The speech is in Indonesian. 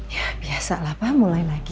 ya biasa lah pak mulai lagi